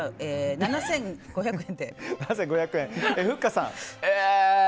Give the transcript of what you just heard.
７５００円。